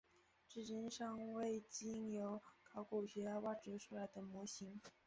至今尚未有经由考古学家挖掘出来的模型。